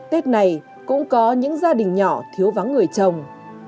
tết này cũng có những gia đình nhỏ thiếu vắng người chồng